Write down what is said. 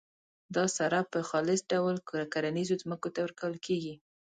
دا سره په خالص ډول کرنیزو ځمکو ته ورکول کیږي.